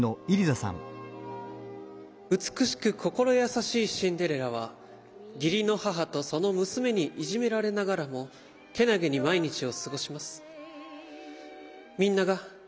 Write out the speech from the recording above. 「美しく心優しいシンデレラは義理の母とその娘にいじめられながらもけなげに毎日を過ごします」。